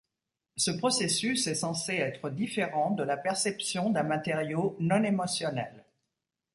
Ce processus est censé être différent de la perception d'un matériau non-émotionnel.